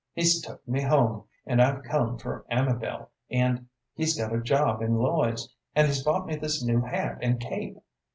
He's took me home, and I've come for Amabel, and he's got a job in Lloyd's, and he's bought me this new hat and cape."